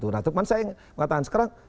nah itu kan saya mengatakan sekarang